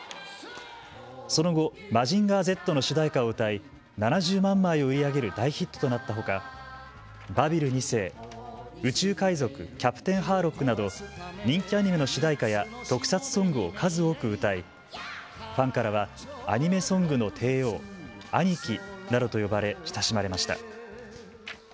その後、マジンガーＺの主題歌を歌い、７０万枚を売り上げる大ヒットとなったほかバビル２世、宇宙海賊キャプテンハーロックなど人気アニメの主題歌や特撮ソングを数多く歌いファンからはアニメソングの帝王、アニキなどと呼ばれ親しまれました。